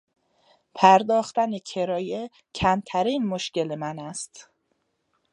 پرداختن کرایه کمترین مشکل من است.